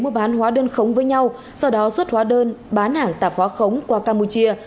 mua bán hóa đơn khống với nhau sau đó xuất hóa đơn bán hàng tạp hóa khống qua campuchia